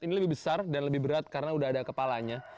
ini lebih besar dan lebih berat karena udah ada kepalanya